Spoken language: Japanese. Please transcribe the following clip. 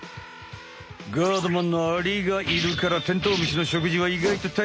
ガードマンのアリがいるからテントウムシの食事はいがいとたいへん。